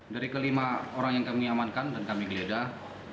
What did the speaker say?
dari kelima orang yang kami amankan dan kami geledah